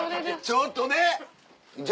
ちょっとね。